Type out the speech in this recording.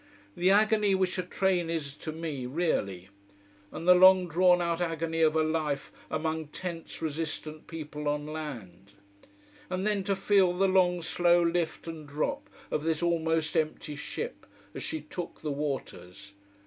The agony which a train is to me, really. And the long drawn out agony of a life among tense, resistant people on land. And then to feel the long, slow lift and drop of this almost empty ship, as she took the waters.